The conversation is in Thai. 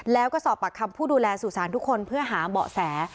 แล้วก็สอบปากคำผู้ดูแลสู่สารทุกคนเพื่อหาเบาะแส